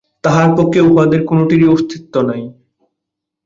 তাঁহার পক্ষে উহাদের কোনটিরই অস্তিত্ব নাই।